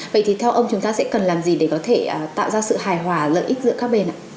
vậy thì theo ông chúng ta sẽ cần làm gì để có thể tạo ra sự hài hòa lợi ích giữa các bên ạ